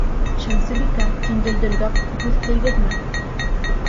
Шәмсебикә, һин Дөлдөлгә һүҙ тейгеҙмә!